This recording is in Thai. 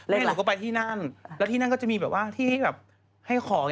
แล้วหนูก็ไปที่นั่นแล้วที่นั่นก็จะมีแบบว่าที่แบบให้ของ